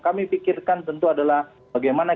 kami pikirkan tentu adalah bagaimana